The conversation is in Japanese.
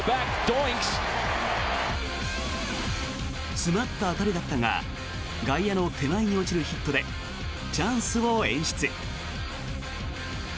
詰まった当たりだったが外野の手前に落ちるヒットでチャンスを演出。